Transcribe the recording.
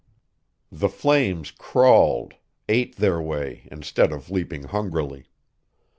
The flames crawled, ate their way instead of leaping hungrily.